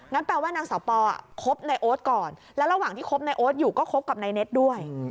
แปลว่านางสาวปอคบในโอ๊ตก่อนแล้วระหว่างที่คบในโอ๊ตอยู่ก็คบกับนายเน็ตด้วย